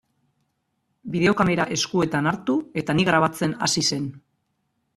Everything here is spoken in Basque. Bideokamera eskuetan hartu eta ni grabatzen hasi zen.